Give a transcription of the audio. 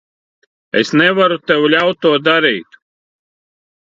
Es nevaru tev ļaut to darīt.